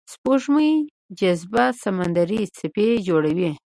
د سپوږمۍ جاذبه سمندري څپې جوړوي.